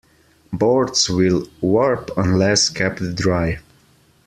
Boards will warp unless kept dry.